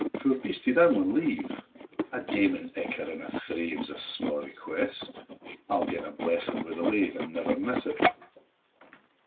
poor beastie, thou maun live! A daimen icker in a thrave 'S a sma' request: I'll get a blessin' wi' the lave, And never miss't!